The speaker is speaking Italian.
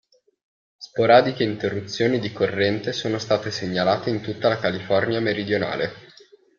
Sporadiche interruzioni di corrente sono state segnalate in tutta la California meridionale.